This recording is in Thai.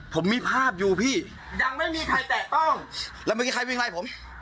ผมมีภาพอยู่พี่ยังไม่มีใครแตะต้องแล้วไม่มีใครวิ่งไล่ผม